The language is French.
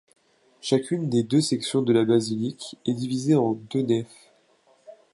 Chacune des deux sections de la basilique est divisée en deux nefs.